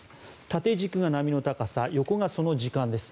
縦軸が波の高さ横が時間です。